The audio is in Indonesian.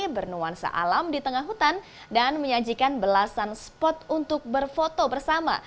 bernuansa alam di tengah hutan dan menyajikan belasan spot untuk berfoto bersama